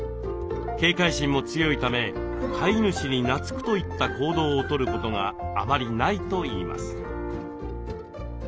警戒心も強いため飼い主になつくといった行動をとることがあまりないといいます。